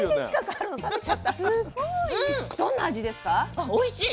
あっおいしい。